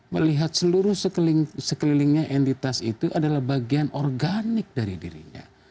melihat seluruh sekelilingnya entitas itu adalah bagian organik dari dirinya